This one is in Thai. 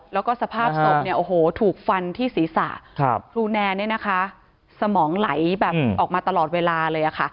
แล้วก็สภาพศพเนี่ยโอ้โหถูกฟันที่ศีรษะครูแนนเนี่ยนะคะสมองไหลแบบออกมาตลอดเวลาเลยค่ะ